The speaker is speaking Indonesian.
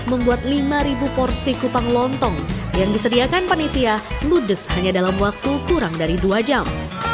membuat lima porsi kupang lontong yang disediakan panitia ludes hanya dalam waktu kurang dari dua jam